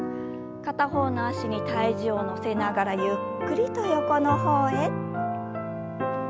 片方の脚に体重を乗せながらゆっくりと横の方へ。